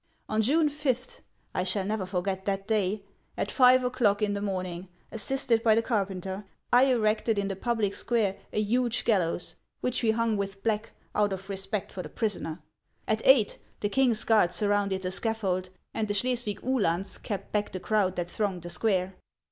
On June 5, 1 shall never forget that day, — at five o'clock in the morning, assisted by the carpenter, I erected in the public square a huge gallows, which we hung with black, out of respect for the prisoner. At eight, the king's guards sur rounded the scaffold, and the Schleswig Uhlans kept back the crowd that thronged the square.